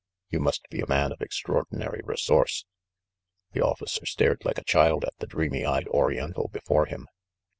You must be a man of extraordinary resource." The officer stared like a child at the dreamy eyed Oriental before him.